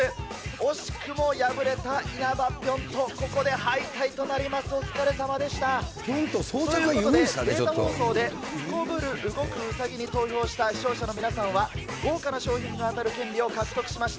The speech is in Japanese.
惜しくも敗れた因幡ぴょん兎、ここで敗退となります、お疲れさまでした。ということで、データ放送ですこぶる動くウサギに投票した視聴者の皆さんは、豪華な賞品が当たる権利を獲得しました。